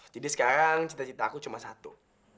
jadi sekarang cita citaku cuma satu